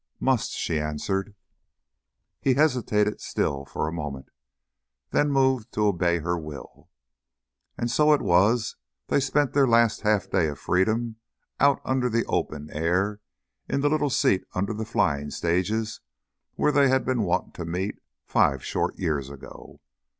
"Must," she answered. He hesitated still for a moment, then moved to obey her will. And so it was they spent their last half day of freedom out under the open air in the little seat under the flying stages where they had been wont to meet five short years ago.